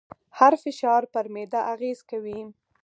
هر فشار پر معده اغېز کوي.